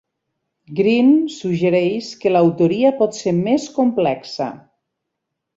Greene suggereix que l'autoria pot ser més complexa.